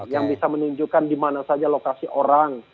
yang bisa menunjukkan dimana saja lokasi orang